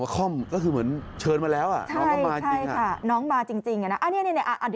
ก็คือเหมือนเชิญมาแล้วน้องเขามาจริงค่ะน้องเขามาจริงค่ะ